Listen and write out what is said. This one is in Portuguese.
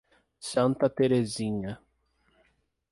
Santa Teresinha